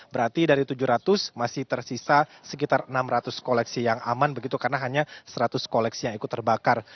berarti dari tujuh ratus masih tersisa sekitar enam ratus koleksi yang aman begitu karena hanya seratus koleksi yang ikut terbakar